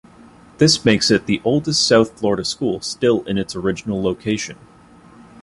This makes it the oldest South Florida school still in its original location.